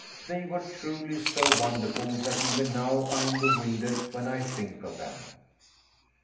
They were truly so wonderful that even now I am bewildered when I think of them.